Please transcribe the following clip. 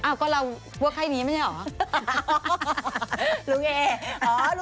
อ้าวก็เราพวกใครนี้มันอยู่หรอ